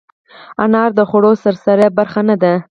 انار د خوړو سرسري برخه نه ده.